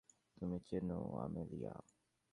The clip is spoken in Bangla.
তুমি চেনো, আমেলিয়া?